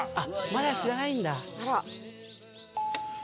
まだ知らないんだ